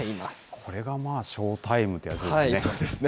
これがショウタイムってやつですね。